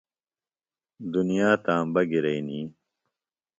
دُنیا تامبہ گِرئنی۔